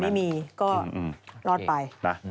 ไม่มีก็รอดไป